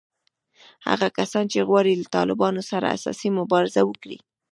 هغه کسان چې غواړي له طالبانو سره اساسي مبارزه وکړي